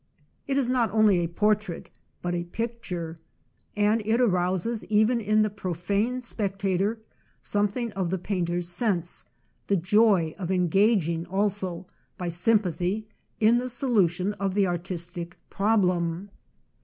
It is not only a por trait, but a picture, and it arouses even in the profane spectator something of the painter's sense, the joy of engaging also, by sympathy, in the solution of the artis tic problem.